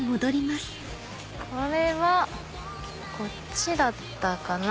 これはこっちだったかな。